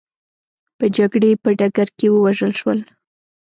په جګړې په ډګر کې ووژل شول.